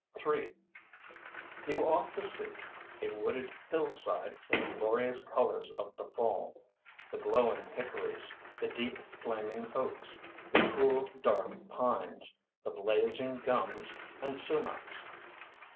III You ought to see a wooded hillside in the glorious colors of the fall the glowing hickories, the deep flaming oaks, the cool, dark pines, the blazing gums and sumacs!